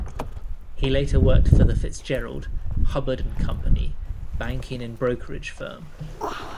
He later worked for the Fitzgerald, Hubbard and Company banking and brokerage firm.